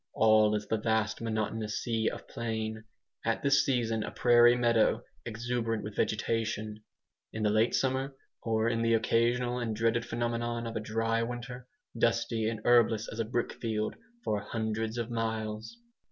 All is the vast monotonous sea of plain at this season a prairie meadow exuberant with vegetation; in the late summer, or in the occasional and dreaded phenomenon of a DRY WINTER, dusty, and herbless as a brickfield, for hundreds of miles.